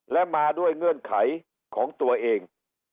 และมาด้วยเงื่อนไขของตัวเอง